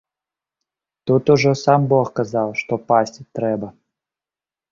Тут ужо сам бог казаў, што пасціць трэба.